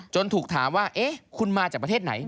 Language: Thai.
ถูกถามว่าคุณมาจากประเทศไหน